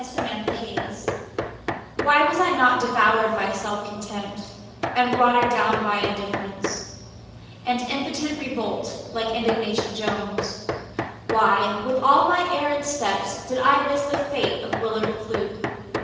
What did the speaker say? Alfred Moir Why was I not devoured by self contempt, And rotted down by indifference And impotent revolt like Indignation Jones? Why, with all of my errant steps Did I miss the fate of Willard Fluke?